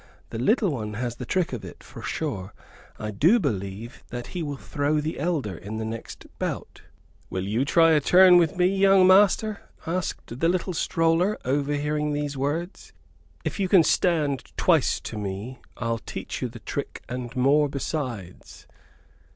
The little one has the trick of it, for sure ... I do believe that he will throw the elder in the next bout." "Will you try a turn with me, young master?" asked the little stroller, overhearing these words, "If you can stand twice to me, I'll teach you the trick and more besides."